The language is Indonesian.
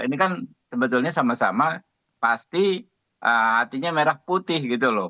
ini kan sebetulnya sama sama pasti hatinya merah putih gitu loh